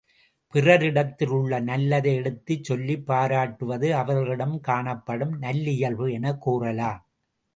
பிறரிடத்தில் உள்ள நல்லதை எடுத்துச் சொல்லிப் பாராட்டுவது அவர்களிடம் காணப்படும் நல்லியல்பு எனக் கூறலாம்.